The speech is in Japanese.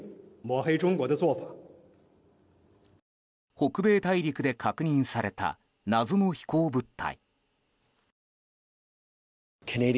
北米大陸で確認された謎の飛行物体。